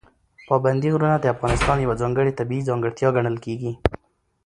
پابندي غرونه د افغانستان یوه ځانګړې طبیعي ځانګړتیا ګڼل کېږي.